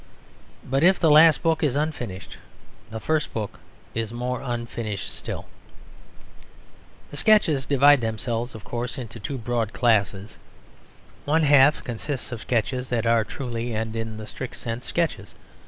But if the last book is unfinished, the first book is more unfinished still. The Sketches divide themselves, of course, into two broad classes. One half consists of sketches that are truly and in the strict sense sketches.